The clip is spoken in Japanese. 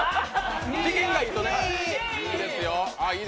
機嫌がいいとね。